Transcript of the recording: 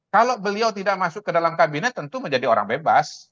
kalau beliau tidak masuk ke dalam kabinet tentu menjadi orang bebas